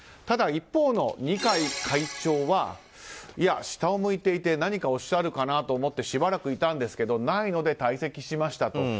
ただ一方の二階会長はいや、下を向いていて何かおっしゃるかなと思ってしばらくいたんですがないので退席しましたと。